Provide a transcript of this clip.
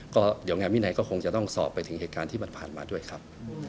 ก็เดี๋ยวงานวินัยก็คงจะต้องสอบไปถึงเหตุการณ์ที่ผ่านมาด้วยครับ